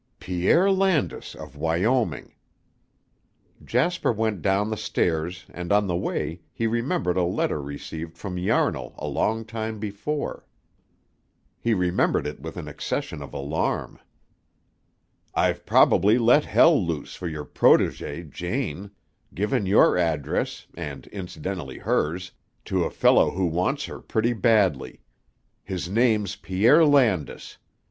"Pierre Landis, of Wyoming." Jasper went down the stairs and on the way he remembered a letter received from Yarnall a long time before. He remembered it with an accession of alarm. "I've probably let hell loose for your protégée, Jane; given your address, and incidentally hers, to a fellow who wants her pretty badly. His name's Pierre Landis.